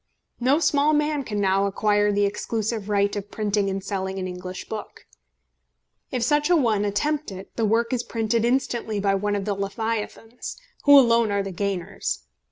No small man can now acquire the exclusive right of printing and selling an English book. If such a one attempt it, the work is printed instantly by one of the leviathans, who alone are the gainers.